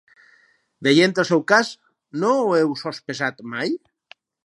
Veient el seu cas, no ho heu sospesat mai?